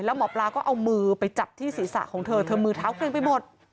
แล้วหมอปลาก็เอามือไปจับที่ศีรษะของเธอเธอมือเท้าเกรงไปหมด